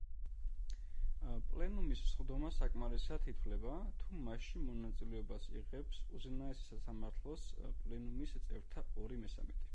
პლენუმის სხდომა საკმარისად ითვლება, თუ მასში მონაწილეობას იღებს უზენაესი სასამართლოს პლენუმის წევრთა ორი მესამედი.